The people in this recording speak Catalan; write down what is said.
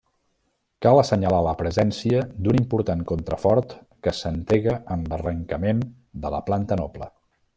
Cal assenyalar la presència d'un important contrafort que s'entrega en l'arrencament de la planta noble.